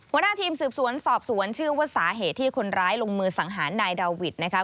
หัวหน้าทีมสืบสวนสอบสวนเชื่อว่าสาเหตุที่คนร้ายลงมือสังหารนายดาวิทย์นะคะ